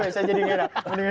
biasanya jadi gila